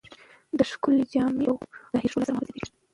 د ښکلې جامې او ظاهري ښکلا سره محبت زیاتېږي.